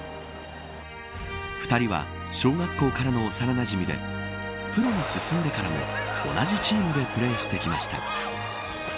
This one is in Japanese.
２人は小学校からの幼なじみでプロに進んでからも同じチームでプレーしてきました。